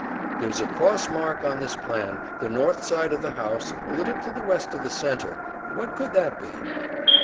"There's a cross mark on this plan the north side of the house, a little to the west of the center. What could that be?"